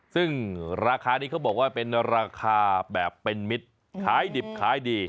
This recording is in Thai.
ซึ่งราคานี้เขาบอกว่าเป็นราคาแบบเป็นมิตรขายดิบขายดี